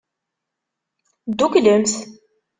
Dduklemt.